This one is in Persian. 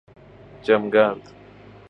جمگرد